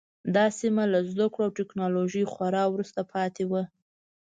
دا سیمه له زده کړو او ټکنالوژۍ خورا وروسته پاتې وه.